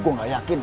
gua gak yakin